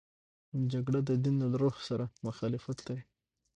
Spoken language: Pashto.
جګړه د دین له روح سره مخالفت لري